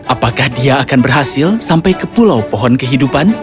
apakah dia akan berhasil sampai ke pulau pohon kehidupan